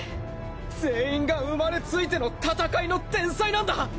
全員が生まれついての戦いの天才なんだ